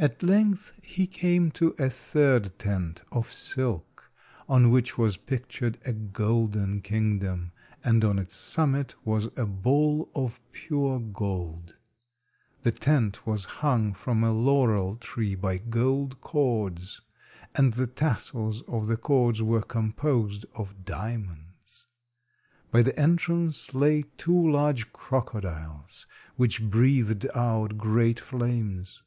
At length he came to a third tent of silk, on which was pictured a golden kingdom, and on its summit was a ball of pure gold. The tent was hung from a laurel tree by gold cords, and the tassels of the cords were composed of diamonds. By the entrance lay two large crocodiles which breathed out great flames.